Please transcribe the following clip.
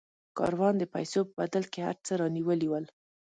کاروان د پیسو په بدل کې هر څه رانیولي ول.